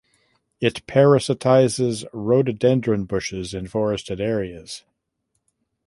It parasitizes "Rhododendron" bushes in forested areas.